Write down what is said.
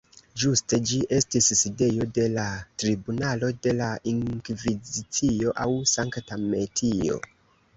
Ĝuste ĝi estis sidejo de la Tribunalo de la Inkvizicio aŭ Sankta Metio.